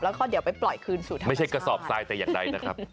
แล้วก็เดี๋ยวไปปล่อยไม่ใช่กระสอบสายแต่อย่างไรนะครับ